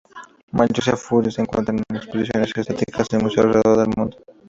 Muchos Sea Fury se encuentran en exposiciones estáticas en museos alrededor del mundo.